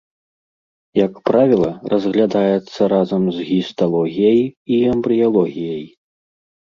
Як правіла, разглядаецца разам з гісталогіяй і эмбрыялогіяй.